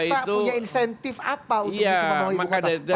kita punya insentif apa untuk bisa membangun ibu kota